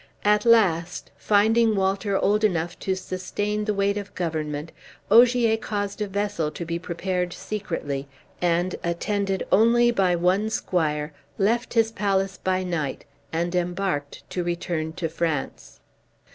At last, finding Walter old enough to sustain the weight of government, Ogier caused a vessel to be prepared secretly, and, attended only by one squire, left his palace by night, and embarked to return to France.